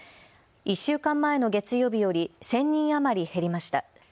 １週間前の月曜日より１０００人余り減りました。